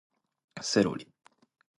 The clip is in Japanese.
セロリ